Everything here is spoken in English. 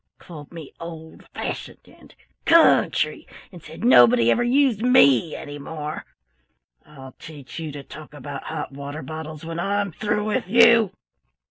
Called me old fashioned and 'country' said nobody ever used me any more! I'll teach you to talk about hot water bottles when I'm through with you!"